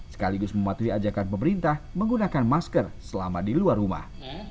sekaligus mematuhi ajakan pemerintah menggunakan masker selama di luar rumah